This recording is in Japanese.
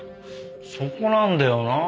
そこなんだよなあ。